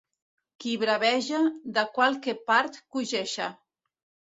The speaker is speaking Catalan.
Qui braveja, de qualque part coixeja.